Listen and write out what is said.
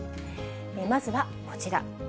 まずはこちら。